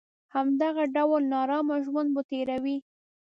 همدغه ډول نارامه ژوند به تېروي.